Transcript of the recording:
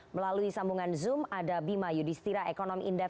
melalui sambungan zoom ada bima yudhistira ekonom indef